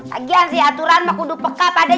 lagian sih aturan mah kudu peka padeh